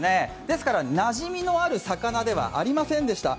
ですからなじみのある魚ではありませんでした。